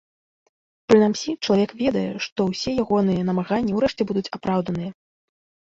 Прынамсі, чалавек ведае, што ўсе ягоныя намаганні ўрэшце будуць апраўданыя.